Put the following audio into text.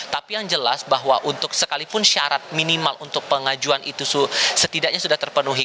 tapi yang jelas bahwa untuk sekalipun syarat minimal untuk pengajuan itu setidaknya sudah terpenuhi